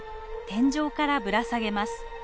天井からぶら下げます。